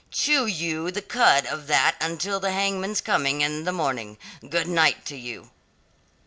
Chew you the cud of that until the hangman's coming in the morning. Good night to you."